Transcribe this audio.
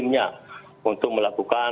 kami minta kepada komunikasi